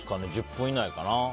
１０分以内かな。